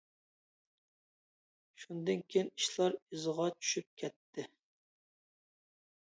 شۇندىن كېيىن ئىشلار ئىزىغا چۈشۈپ كەتتى.